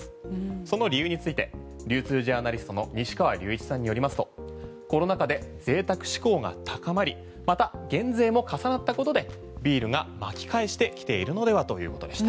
その理由について流通ジャーナリストの西川立一さんによりますとコロナ禍でぜいたく志向が高まり減税も重なったことでビールが巻き返してきているのではということでした。